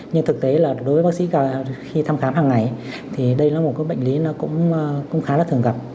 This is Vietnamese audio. nhưng thực tế là đối với bác sĩ khi thăm khám hàng ngày thì đây là một cái bệnh lý nó cũng khá là thường gặp